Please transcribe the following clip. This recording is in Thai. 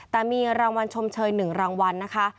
แต่มีรางวัลชมเชย๑รางวัลนะคะ